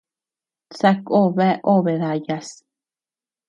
Sako bea obe dayas.